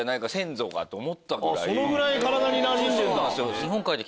そのぐらい体になじんでんだ。